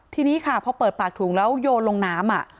ทีนี้ค่ะพอเปิดปากถุงแล้วโยนลงน้ำ